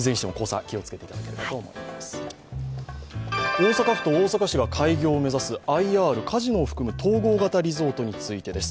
大阪府と大阪市が開業を目指すＩＲ、カジノを含む統合型リゾートについてです。